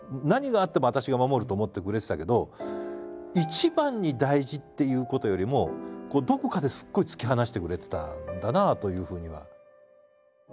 何があっても私が守ると思ってくれてたけど一番に大事っていうことよりもどこかですごい突き放してくれてたんだなというふうには。